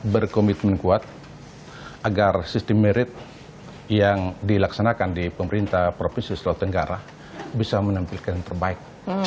berkomitmen kuat agar sistem merit yang dilaksanakan di pemerintah provinsi sulawesi tenggara bisa menampilkan yang terbaik